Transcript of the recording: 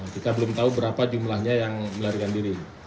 kita belum tahu berapa jumlahnya yang melarikan diri